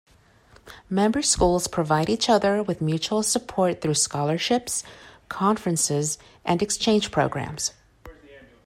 Member schools provide each other with mutual support through scholarships, conferences, and exchange programs.